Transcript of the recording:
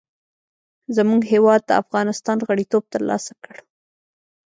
زموږ هېواد افغانستان غړیتوب تر لاسه کړ.